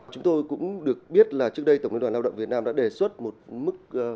chúng tôi cũng được biết là trước đây tổng liên đoàn lao động việt nam đã đề xuất một mức